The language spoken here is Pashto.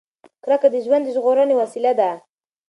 کرکه د ژوند ژغورنې وسیله ده.